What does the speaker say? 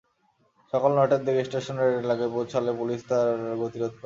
সকাল নয়টার দিকে স্টেশন রোড এলাকায় পৌঁছালে পুলিশ তাঁর গতিরোধ করে।